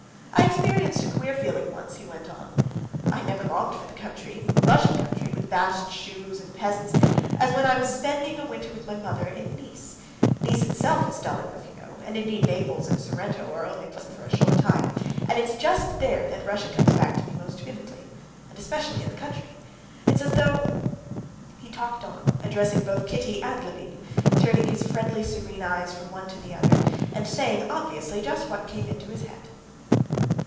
I experienced a queer feeling once," he went on. "I never longed so for the country, Russian country, with bast shoes and peasants, as when I was spending a winter with my mother in Nice. Nice itself is dull enough, you know. And indeed, Naples and Sorrento are only pleasant for a short time. And it's just there that Russia comes back to me most vividly, and especially the country. It's as though...." He talked on, addressing both Kitty and Levin, turning his serene, friendly eyes from one to the other, and saying obviously just what came into his head.